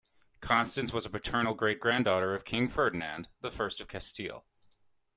Constance was a paternal great-granddaughter of King Ferdinand the First of Castile.